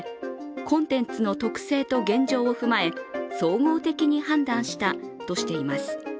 コンテンツの特性と現状を踏まえ総合的に判断したとしています。